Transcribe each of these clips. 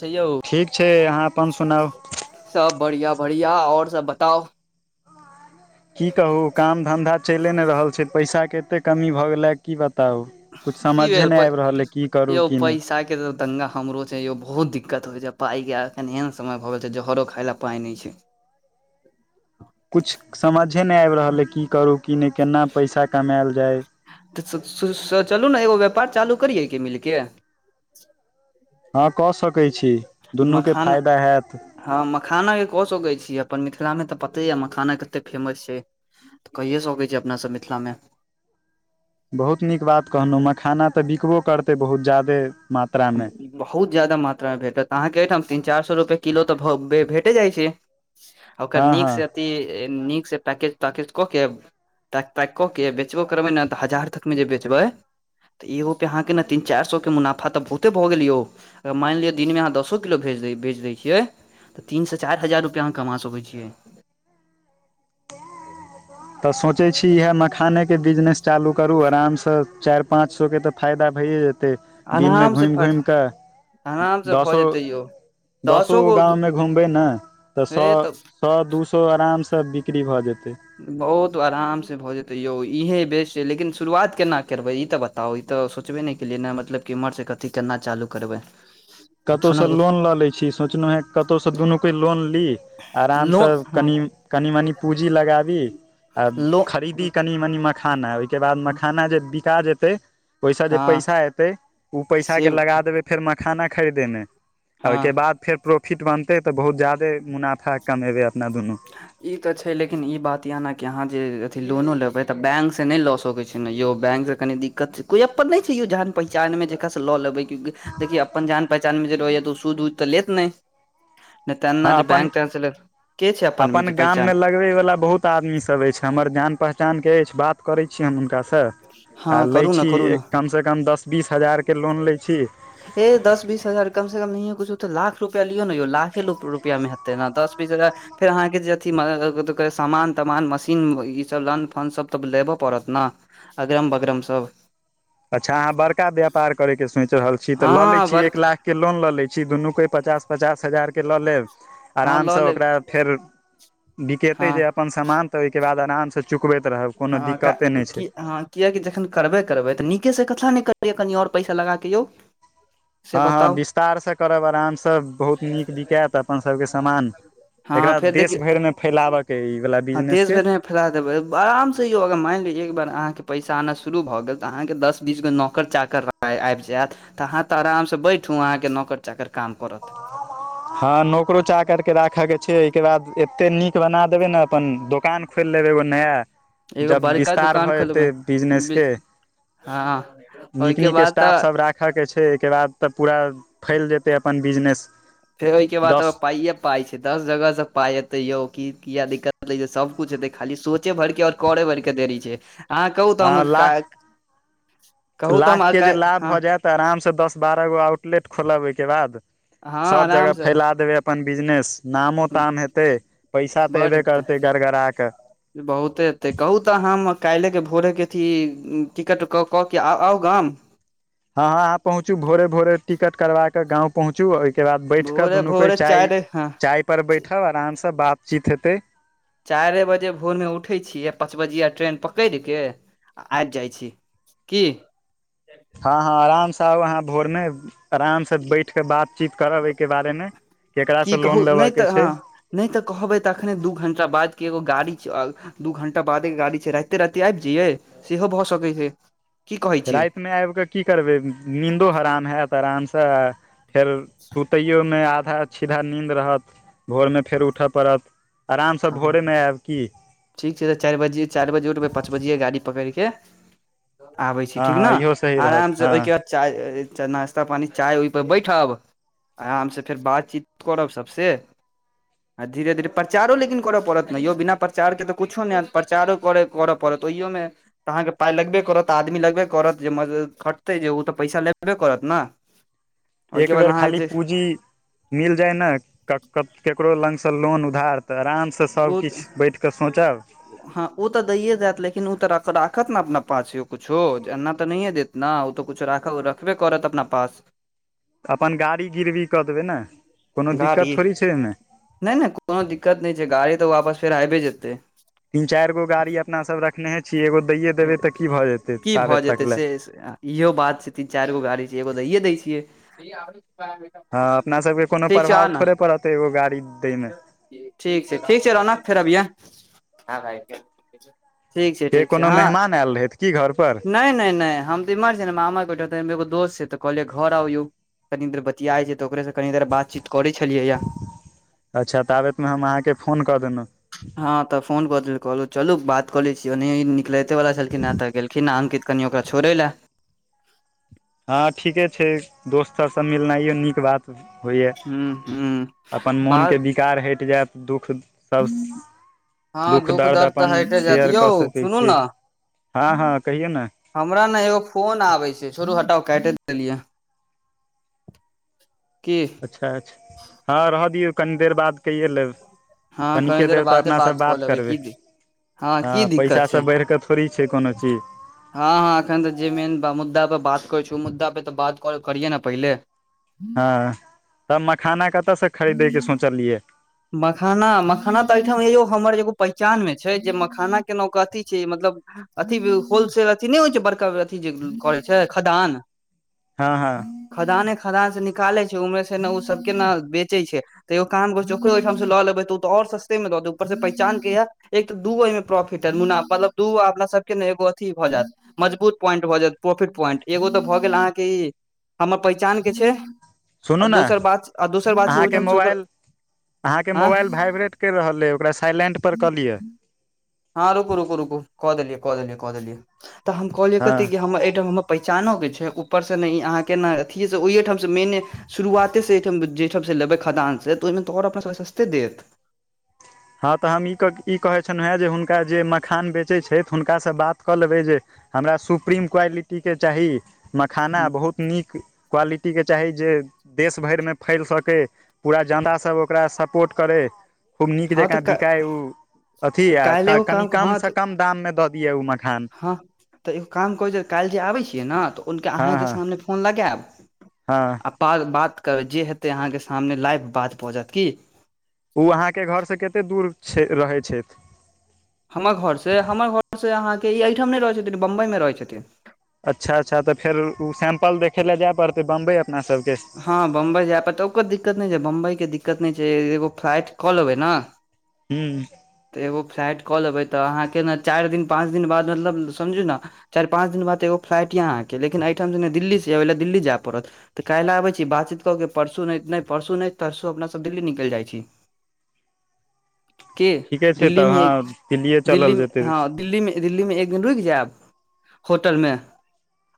छै यौ। ठीक छै अहाँ अपन सुनाउ। सब बढ़िआँ बढ़िआँ, और सब बताउ। की कहू काम धन्धा चैले नहि रहल छै, पैसा के एते कमी भऽ गेले की बताउ। कुछ समझे नहि आबि रहल अइ की करू की नहि। चाय के त। तंगा हमरो छै यौ बहुत दिकत होइ छै पाइके एखन एहन समय भऽ गेल छै जहरो खाइ ले पाइ नहि छै। कुछ समझे नहि आबि रहल हे की करु की नहि, केना पैसा कमायल जाय। तऽ चलू ने एगो व्यापार चालू करियैके मिलके। हँ कऽ सकैत छी। ई दुनूके मखान फायदा हैत हँ मखानाके क सकैत छी, अपन मिथिलामे तऽ पते यऽ मखाना कतेक फेमस छै। तऽ कैयै सकैत छी अपना सभ मिथिलामे। बहुत नीक बात कहकहों, मखाना तऽ बिकबो करतै बहुत ज्यादे मात्रा मे। बहुत जा्यदा मात्रा मे भेटत अहाँके एहिठाम तीन चारि सौ रुपए किलो तऽ भेटे जाइ छै। ओकर हँ नीक हँ से अथि नीक से पैकेट तैकेट कऽ के पैक तैक कऽ के बेचबो करबै ने तऽ हजार तकमे जे बेचबै एगो के नें आहके तीन चारी सौ के मुनाफा तऽ बहुते भऽ गेल यौ मानि लिय दिनमे अहाँ दसो किलोज दै छियै तऽ तीनसँ चारि हजार रुपैआ अहाँ कमा सकैत छी। तऽ सोचै छी, इएह मखानाके बिजनेस आरामसँ चालू करी। चारि-पाँच सए टाकाक तऽ फायदा भइए जेतै। दिनमे आराम से घुमि फ घुमि कऽ आराम से भऽ दसो जेतै यौ दस दसो गो गाम घुमबै ने तऽ। हे तऽ सए दू सए आरामसँ बिक्री भऽ जेतै बहुत आरामसँ भऽ जेतै यौ। इएह बेस अछि, लेकिन शुरुआत केना करबै, ई तऽ बताउ। तऽ ओहि तऽ सोचबे नहि केलियै ने, मतलब कि एतयसँ ई केना चालू करबै। कुछो ने कतहुसँ कुछ लोन लऽ लेब, सोचलहुँ हँ, कतहुसँ दुनू गोटे लोन ली। आरामसँ लोन हँ कनि कनि-मनि पूँजी लगाबी आ लो कनि-मनि मखाना खरीदी। तकर बाद मखाना जे बिकत, ओहिसँ जे हँ पैसा एतै, ओहि से पैसाके फेर लगा देब। फेर मखाना खरीदेब, में हँ ओहिके बाद फेर प्रो फिट बनतै तऽ अपना दुनू गोटे बहुत जादे मुनाफा कमेबै। ई तऽ छै, लेकिन बात ई अछि जे अहाँ जे एतय लोन लेबै, तऽ बैंकसँ नहि लऽ सकैत छी। यौ, बैंकसँ कनि दिक्कत अछि। कोनो अपन नहि अछि यौ, जान-पहिचानमे जेकरासँ लऽ लेब। देखि, अपन जान-पहिचानमे जे रहत यऽ, तऽ ओ सूद-वूद तऽ लेत नहि? नहि तऽ एना हँ जे अपन बैंक-टैंकसँ लेत। के छै मे अपन जे पहचान गाममे लगबय वला बहुत आदमी सब अछि, हमर जान-पहिचानक अछि बात। करै छी हम हुनकासँ आ हँ लै करू ने छी करू ने कम कमसँ कम दस बीस हजारके लोन लै छी ए दस बीस हजार कम से कम नैहो कुछो तऽ लाख रुपैआ लियौ ने यौ, लाखे रुपैआमे हेतै ने, दस-बीस हजार। फेर अहाँके जे अथी मांगत अ अ तकर सामान तमान मशीन ईसभ लन फनसभ तऽ लेब पड़त ने अगरम बगरम सब अच्छा, अहाँ बड़का व्यापार करबाक सोचि रहल छी तऽ लऽ लै हँ छी एक वर्क लाख। के, लोन लऽ लै छी दुनू गोटे पचास-पचास हजारके लऽ लेब, हँ लऽ आरामसँ लेब ओकरा। फेर बिकेतय हँ जे अपन समान तऽ ओइके बाद आरामसँ चुकबैत रहब कोनो हँ दिक्कते कै नहि की छै हँ किएकि जखन करबे करबै तऽ नीकेसँ किएक नहि करबै, कनि आओर पैसा लगाकऽ यौ। से हँ हँ, बताउ विस्तारसँ करब, आरामसँ। बहुत नीक बिकैत अपन सभके सामान। हँ एकरा फेर देश देखियौ भरिमे फैलाबयके अछि, ई आगू बढ़यवला हँ बिजनेस देश अछि। भरि मे फैला देबय। आरामसँ यौ, अगर मानि लियौ एक बेर अहाँके पैसा एना शुरू भऽ गेल तऽ अहाँ दस-बीस गो नौकर-चाकर रख। पाइ आइब जायत तऽ अहाँ तऽ आरामसँ बैसू, अहाँके नौकर-चाकर काम करत। हँ, नोकरो-चाकर के राखे के छै, अय के बाद एतेक नीक बना देबै ने। हुं दोकान खोइल लेबै एगो नया पन एगो जखन बड़का विस्तार दुकान भऽ जेतै खोलबै बिजनेस, हँ ओहिके नीक-नीक बाद स्टाफ तऽ सभ राखब। राखके छै एकरा तऽ पूरा फैल जेतै अपन बिजनेस फेर ओयके बाद त दस पाइये पाइ छै, दस जगहसँ पाइ एतै यौ, तऽ किएक दिक्कत हेतै? सबकिछु हेतै, खाली सोचय भरिके। करै भइर के देरी छै अहां कहू त हँ हम लाख काइल् कहु त हम आकाल्हि हं तऽ आराम से दस बारह गो आउटलेट खोलब ओइके बाद हँ सब जगह आराम से फैला देबै अप अपन बिजनेस नामो ताम हेतै पैसा तऽ बड एबे हेतै करते गड़गड़ा कऽ। बहुते एतै कहू तऽ हम काइलेके भोरेके अथी टिकट कऽक अआउ गाम। हँ हँ अहाँ पहुँचू भोरे भोरे टिकट करबा केे गाँव पहुँचू के बाद बैठकेऽ भोरे दुनू कोइ भोरे चाय चारि हँ चाय पर बैठब आराम सँ बातचीत हेतै। चाइरे बजे भोरमे उठै छियैआ पाँच बजिआ ट्रेन पकइड़ के आ आइब जाइ छी की? हँ हँ आरामसँ आउ अहाँ भोरमे आरामसँ बैठ कऽ बातचीत करब अय के बारेमे। केकरा सँ लोन लेबके छै। नइ तऽ कहबै तऽ अखने दू घण्टा बादके एगो गाड़ी चऽल। दू घंटा बादेके गाड़ी छै राइते राइते आबि जइयै सेहो भऽ सकैत छै। की कहै छियै राइत मे आइब कऽ की करबै नीन्दो हराम हेत आराम सँ फेल सुतैयोमे आधा छीद्धा नीन्द रहत भोरमे फेर उठ पड़त। आरामसँ भोरेमे आयब की ठीक छै तऽ चाइर बजे चाइर बजे उठबै पाँच बजिये गाड़ी पकइड़ के। आबय छी हँ ठीक न हँ इहो सही आराम रहत स हँ ओइके बा चाय अअ चनाश्ता पानी चाय ओइपर बैठब। आराम से फेर बातचीत करब सबसे आ धीरे-धीरे परचारो लेक लेकिन करऽ पड़त ने यौ बिना प्रचार के तऽ किछो नइ हैत प्रचारो करऽ पड़त ओहियोमे तऽ अहाँके पाइ लगबे करत आदमी लगबे करत जे मज खटतै जे उ तऽ पैसा लेबे करत न। [inaudible] [inaudible] [inaudible] एक बेर खाली पूजी मिल जाय ने कक-केकरो लगसँ लोन उधार तऽ आराम सँ ओ सबकिछ बैठिकऽ सोचब। हँ उतऽ दैए जायत लेकिन ओ तऽ राखत ने अपना पाछ किछो एना तऽ नहिए देत। ना उतऽ कुछु राख रखबे करत अपना पास। अपन गाड़ी गिरबी कऽ देबै ने। कोनो गाड़ी दिक्कत थोड़ी छै ओहिमे नै नै कोनो दिक्कत नहि छै गाड़ी तऽ वापस फेर आइबे जेतै। तीन चारि गो गाड़ी अपना सब रखनेेहे छियै एगो दैए देबै तऽ की भऽ जेतै की भऽ ताबे जेतै तक ले। से इहो बात छै तीन चाइर गो गाड़ी छै एगो दैय दै छियै। हँ अपना सबके कोनो ठीक छै आ प्रभाव ने थोड़े पड़त एगो गाड़ी दय मे। ठीक छै ठीक छै रौनक फेर अभिहे ह भाई ठीक छै। के कोनो हाँ मेहमान आयल रहथि की घर पर नै नै नै हम [unintelligible] दोस्त छै तऽ कहलियै घर आउ यौ। कनी देर बतियाइ छै तऽ ओकरे से कनी देर बातचीत करै छलियै। या अच्छा ताबैतमे हम अहाँके फोन कऽ देलहुँ। हँ तऽ फोन कऽ देल कहलू चलू बात कऽ ले छीयै ओनहिये ई निकलेतै वाला छलखिन हें तऽ गेलखिन अंकित कनि ओकरा छोड़ै लऽ। हँ ठीके छै दोस्त सबसँ मिलनाइये नीक बात। होइए हुँ हुँ अपन मोनके बात विकार हैट जायत दुःख [unintelligible] हँ दुःख दर्द तऽ अपन हटे जायत शेयर यौ कऽ सकै सुनू छीयै ने हँ-हँ कहियौ नऽ। हमरा न एगो फोन आबे छै छोरु हटाउ काइटे देलियै। की अच्छा अच्छा हँ रहऽ दियौ कनि देर बाद कइए लेब। हँ कनिके कनी देर तऽ बादे अपना सब कऽ बात लेबै करबै। की की हँ, पैसा दिक्कत से छै बैढ़ कऽ थोड़ी छै कोनो चीज। हँ -हँ, एखन तऽ जे मेन ब मुद्दा पर बात करै छै, ओ मुद्दा पे तऽ बात करिये ने पहिले। [inaudible] हँ तब मखाना कतऽ से खरीदेके सोचलियै? मखाना मखाना तऽ एहिठाम यौ हमर एगो पहिचान मे छै, जे मखाना के न क ओ अथी छै। मतलब अथी इ होलसेल अथी नय होइ छै, बड़का अथी जे करै छै खदान। हँ हँ [inaudible] खदाने खदान से निकालै छै, उम्हरे से ने ओ सबके न बेचय छै, तैयो काम ओकरो ओहिठाम से लेब तऽ, और सस्ते मे दऽ देत, ऊपर से पहचान के यै। एक तऽ दूगो अयमे प्रोफिट अय, मुना मतलब दू गो अपना सबके के ने एगो अथी भऽ जैत। मजबूत पॉइंट भऽ जैत, प्रोफिट पॉइंट एगो तऽ भऽ गेल अहाँके ई हमर पहिचान के छै, आ सुनू ने दोसर बात! आ दोसर बात छै, अहाँके ओहिठाम से ओकर मोबाइल अहाँके आँ मोबाइल भाइब्रेट कैर रहल अइ, ओकरा साइलेंटपर कऽ लिअ। हँ रुकु- रुकु -रुकु कऽ देलियै, कऽ देलियै, कऽ देलियै, तऽ हम कहलिय हँ कथि कि, हमर अइठाम हमर पहिचानोक के छै, ऊपरसँ ने ई अहाँके ने अथीए से ओहिएठामसँ मेने शुरुआत [unintelligible] जे ठाम से लेबै खदान से तऽ ओइमे तो और अपनाके सस्ते देत। हँ तऽ हम ई ई कहै छन हे जे, हुनका जे मखान बेचै छै, हुनकासँ बात कऽ लेबै जे हमरा सुप्रीम क्वैटीटी के चाही, मखाना बहुत नीक क्वालिटीके चाही जे देश भैरमे फैल सकै। पूरा ज्यादा सभ ओकरा सपोर्ट करय, खूब नीक हँ जकाँ तऽ बिकाय उ। अथी तऽ य काल्हि एगो कनि काम हँ कमसँ तऽ कम दाममे दऽ दियै ओ मखान। हँ तऽ एगो काम करैत छै, काल्हि जे आबै छियै न, तऽ हुनका हँ अहाँके हँ सामने फोन लगैब। हँ। आ बात बात करब जे हेतै अहाँके सामने, लाइव बात भऽ जैत की। ओ अहाँके घर से कतेक दूर छै रहै छैथ? हमर घोरसँ, हमर घोरसँ अहाँके ई एहिठाम नहि रहैत छथिन, बम्बइमे रहैत छथिन। अच्छा! अच्छा! तऽ फेर ओ सैंपल देखय लए जाय पड़तै बम्बई अपना सबके। हाँ बम्बई जाय पड़तै, ओकरो दिक्कत नै छै, बम्बई के दिक्कत नै छै, एगो फ्लाइट कऽ लेबै नै। हुँ। तऽ एगो फ्लाइट कऽ लेबै तऽ, अहाँके ने चार दिन, पाँच दिन, बाद मतलब समझू नै। चार पाँच दिन बाद एगो फ्लाइट यए अहाँके, लेकिन एहिठामना दिल्लीसँ अबै लए दिल्ली जाय पड़तऽ। काइल आबै छी, बातचीत कऽ के, परसू नै, नै परसू नै तरसू अपना सब दिल्ली निकलि जाइ छी। के ठीके छै तऽ दिल्लीमे, हँ दिल्लीए चलल जेतै दिल्लीमे हाँ दिल्लीमे। दिल्ली मे एक दिन रुक जै्मं होटल मे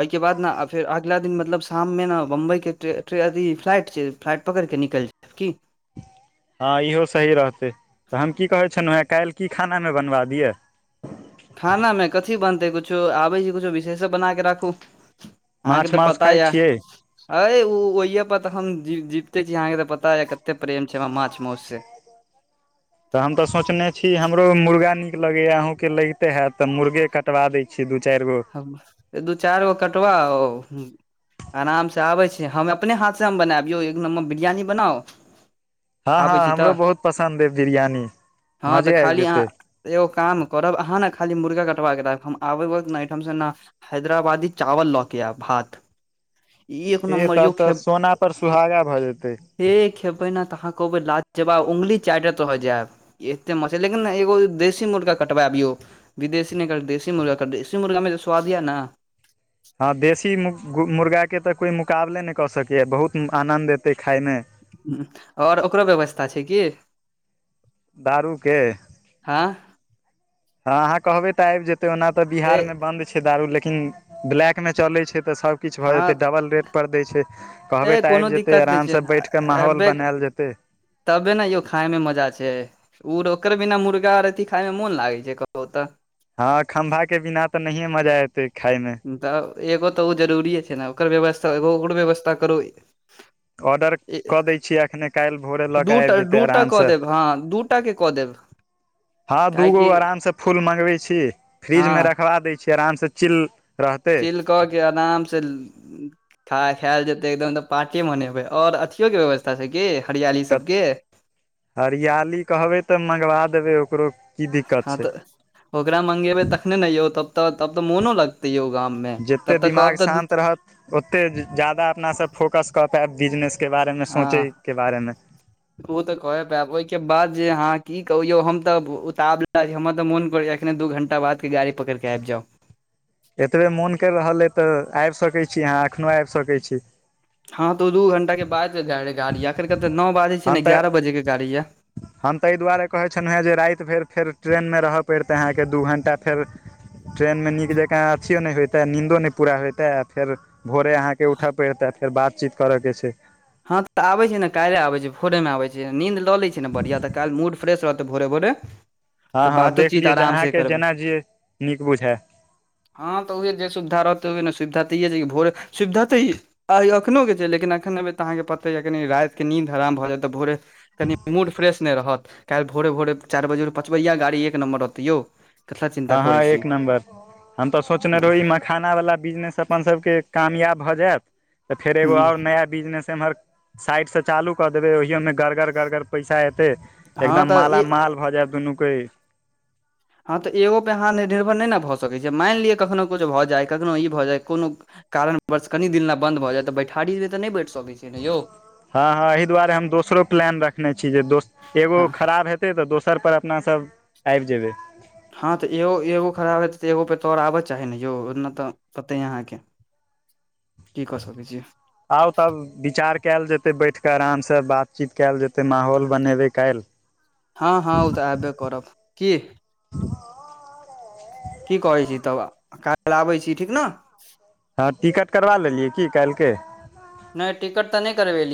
एहिके बाद नै, फेर अगला दिन मतलब शाममे ना। बम्बइके ट्रे फ्लाइट छै, फ्लाइट पकड़िकऽ निकैल जायब कि। हाँ इहो सही रहतै, हम की कहै छलहु हेँ, काइल की खानामे बनबा दियअ? खानामे कथी बनतै, कुछो आबै छै कुछो विशेषे बना कऽ राखू। अहाँके माछ तऽ मासु पता खाइ यऽ। छियै ऐ उ ओहि परऽ हम जी जीवते छी, अहाँके त पता य कतै प्रेम छै, हमरा माछ मोस से। तऽ हम तऽ सोचने छी, हमरो मुर्गा नीक लगैया, अहूँके लगिते हयत, तऽ मुर्गे कटवा दै छी दू चारी गो। दू चारी गो कटबा ओ। आरामसँ आबै छी, हम अपने हाथसँ हम बनाबियौ, एक नम्बर बिरयानी बनाउ? आबै हाँ-हाँ छी हमरो तऽ बहुत पसन्द अइ बिरयानी हँ मजे तऽ एब खाली जेतै। अहाँ एगो काम करब अहाँ न खाली मुर्गा कटवा क राखब हम आबे वक्त नाइट हम स ना हैदराबादी चावल ल के ऐब भात ई एक नम्बर यौ खे के भऽ जेतै ऐ खेबै न तऽ अहाँ कहबै लाजजबा उंगली चाटे तऽ रह जेयब। एते मछली लेकिन एगो देशी मुर्गा कटबैब यौ। विदेशी नै कर, देसी मुर्गा कर दे देसी मुर्गा में जे स्वाद यै न हाँ देशी मु-गु- मुर्गाके तऽ कोइ मुकाबले नयि कऽ सकैए बहुत आनन्द एतै खाइमे। हम्म और ओकरो व्यवस्था छै की? दारूके- - हाँ। हाँ अहाँ कहबे तऽ आब जेते ओना तऽ ए बिहार में बन्द- - छै दारू लेकिन ब्लैक में चले छै त सब किछ भए हँ जेतै डबल रेट पर दैय छै। कहबै ए तऽ कोनो आब जेतै दिक्कत नहि आराम छै स बैठ के माहौल एबे बनैल जेते। तबे नै यौ खाइमे मजा छैई। ओ ओकर बिना मुर्गारथि खाइमे मोन लागै छै कहुँ तऽ - - हाँ खम्भा के बिना तऽ नहिये मजा एते खाइमे। तऽ एगो तऽ ओ जरूरिए छै नै ओकर व्यवस्था एगो ओकर व्यवस्था करू। ऑर्डर ई कऽ दै छियै एखने काल्हि भोरे लऽ कऽ दूटा आबि जेतै दूटा कऽ आरामसँ दैब हां दूटा के कऽ दैब। हाँ दूगो आराम से फूल मंगवे छी फ्रीज हँ में रखवा दैय छी। आराम से चिल रहते। फिर कह आराम से- - खाइ खाइल जेतै एकदम तऽ पार्टी मनेबै ओर अथियो के व्यवस्था छै कि हरियाली सबके- - हरियाली कहबै तऽ मँगबा देबै ओकरो- - हाँ तऽ ओकरा मंगेबै तखने नै यौ तब- - तऽ तब तऽ मोनो लगते यौ गाममें जतेक तब तऽ दिमाग कहब दु- शान्त - रहत ओतेक ज्यादा अपनासँ फोकस कऽ के बिजनेसके बारेमे सोचैके बारेमे - - उ तऽ कहि पायब ओहिके बाद जे अहाँ की कहौ यौ हम तऽ उताबला छी हमरा तऽ मोन करैएया। कखन दू घण्टा बादके गाड़ी पकड़िके आब जाउ। एतबे मोन करि रहल अइ तऽ आबि सकै छि, अहाँ एखनो आबि सकै छि। हँ तऽ ओ दू घं्टा के बाद जाय रहै गाड़ी अखेन कहते नओ बाजै छै हम ने तऽ एगारह बजे के गाड़ी यए। हम ताहि दुआरे कहै छलहुँ हेँ जे राति भरि फेर ट्रेनमे रहय पड़तै अहाँकेँ दू घण्टा फेर- - ट्रेन मे नीक जका अथियो नहि होयइते नीन्दो नहि पूरा होयइते आ फेर- - भोरे अहाँके उठऽ पड़तै फेर बातचीत करऽ के छैई। हँ तऽ आबैत छै ने काल्हि आबैत छै भोरेमे आबैत छै नीन्द लऽ लै ई छै, ने बढ़िआँ तऽ काल्हि मूड फ्रेश रहतै भोरे -भोरे- - हँ -हँ देख लियौ जे अहाँके जेना जे नीक बुझै। हँ तऽ उएह जे सुविधा रहतै उएह ने सुविधा तऽ यै जे भोर सुविधा तऽ ई - आइ एखनोके छैई लेकिन एखन अबै तऽ अहाँकेँ पते यए कनि रातिके नीन्द हराम भऽ जायतऽ भोरे- - कनि मूड फ्रेश नहि रहत काल्हि भोरे -भोरे चारि बजे पाँचबै जिया गाड़ी एक नम्बर रहतै यौ। कथला चिन्ता हँ -हँ करै छियै एक नम्बर हम तऽ सोचने रहौ हूँ ईम्हर। खाना बला बिजनेस अपन सबके कामयाब भऽ जायत तऽ फेर एगो आओर नया - - बिजनेस एम्हर साइड से चालू क देबे ओहीयो मे - - गड़गड़ -गड़गड़ पैसा एते हँ एकदम तऽ ई माला- माल भऽ जायब दुनू कोई - - हँ तऽ एगोपर अहाँ निर्भर नहि ने भऽ सकै छीयै मानि लिअ कखनहु किछु भऽ जाय कखनहु ई भऽ जाय कोनो- - कारणवश कनी दिन लाबन्द भऽ जायत तऽ बैठारी तऽ नहि बैठ सकै छि। हँ हँ एहि दुआरे हम दोसरो प्लान रखने छी जे दोस एगो हँ खराब हे तै तऽ दोसर पर अपना सब आबि जेबै। हँ तऽ एगो एगो खराब हेतै तऽ एगो पे तोर आबऽ चाही ने यौ ओतना तऽ पते अहाँके। की क सकै छिय। आउ तब विचार कएल जेतै बैठ कऽ आराम सँ बातचीत कएल जेतै माहौल बनेबै काल्हि। हँ हँ ओ तऽ एबे करब। की की कहै छी तब काल्हि आबै छी ठीक नऽ। हँ टिकट करबा लेलियै की काल्हिके? नहि टिकट त नै करवेलि।